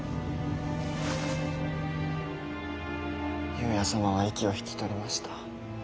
由也様は息を引き取りました。